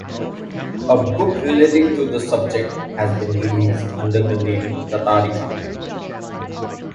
A book relating to the subject has been released under the name "Tatarica".